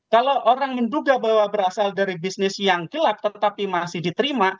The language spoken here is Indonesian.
kalau orang menduga bahwa berasal dari bisnis yang gelap tetapi masih diterima